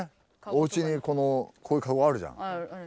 おうちにこういうカゴあるじゃん。